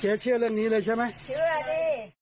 เชื่อเรื่องนี้เลยใช่ไหมเชื่อดิ